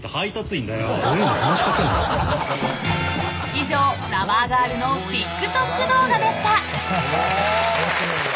［以上ラバーガールのＴｉｋＴｏｋ動画でした］